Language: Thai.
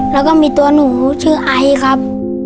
แล้วก็มีตัวหนูชื่อไอครับ